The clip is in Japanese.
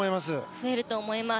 増えると思います。